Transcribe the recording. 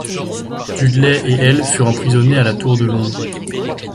Dudley et elle furent emprisonnés à la Tour de Londres.